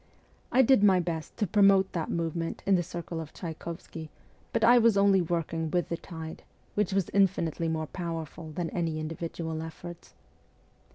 I did my best to promote that movement in the circle of Tchaykovsky ; but I was only working with the tide, which was infinitely more powerful than any individual efforts.